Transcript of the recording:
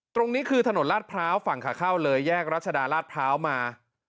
ตรงนี้คือถนนลาดพร้าวฝั่งขาเข้าเลยแยกรัชดาราชพร้าวมา